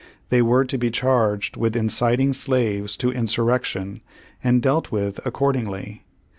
They were to be charged with in citing slaves to insurrection, and dealt with ac cordingly.